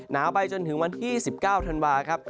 ไปจนถึงวันที่๑๙ธันวาครับ